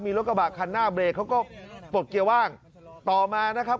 มีรถกระบะคันหน้าเบรกเขาก็ปลดเกียร์ว่างต่อมานะครับ